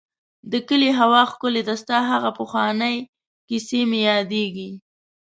د کلي هوا ښکلې ده ، ستا هغه پخوانی کيسې مې ياديږي.